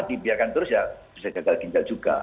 dibiarkan terus ya bisa gagal ginjal juga